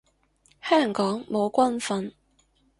香港冇軍訓